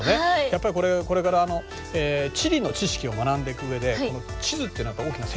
やっぱりこれから地理の知識を学んでいくうえで地図っていうのは大きな戦力になりますからね